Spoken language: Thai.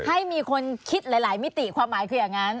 ให้มีคนคิดหลายมิติความหมายคืออย่างนั้น